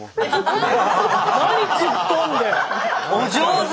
お上手！